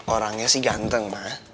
orangnya sih ganteng ma